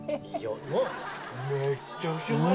めっちゃくちゃうまい。